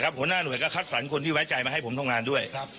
นะครับหัวหน้าหน่วยก็คัดสรรคุณที่ไว้ใจมาให้ผมท่องนานด้วยครับ